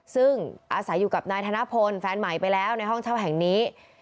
ซึ่งอาศัยอยู่กับนายธนพลแฟนใหม่ไปแล้วในห้องเช่าแห่งนี้